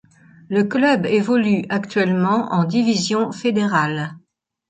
Le club évolue actuellement en division fédérale.